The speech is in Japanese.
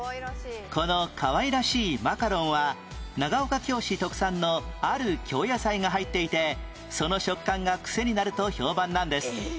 このかわいらしいマカロンは長岡京市特産のある京野菜が入っていてその食感がくせになると評判なんです